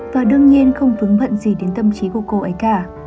và đương nhiên không vững bận gì đến tâm trí của cô ấy cả